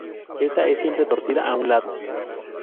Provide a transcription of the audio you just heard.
Esta está siempre torcida a un lado.